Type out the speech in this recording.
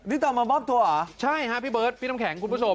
นี่ตามมามอบตัวเหรอใช่ครับพี่เบิ้ลบิตำแข็งคุณผู้ชม